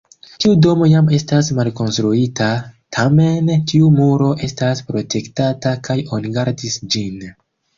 Tiu domo jam estas malkonstruita, tamen tiu muro estas protektata kaj oni gardis ĝin.